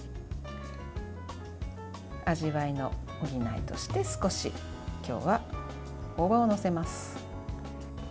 味わいの補いとして少し今日は大葉を載せます。